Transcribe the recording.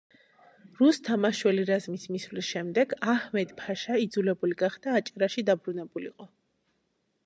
რუსთა მაშველი რაზმის მისვლის შემდეგ აჰმედ-ფაშა იძულებული გახდა აჭარაში დაბრუნებულიყო.